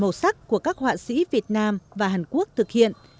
màu sắc của các họa sĩ việt nam và hàn quốc thực hiện